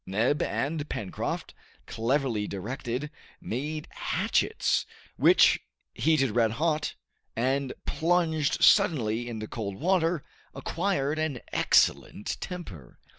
Neb and Pencroft, cleverly directed, made hatchets, which, heated red hot, and plunged suddenly into cold water, acquired an excellent temper.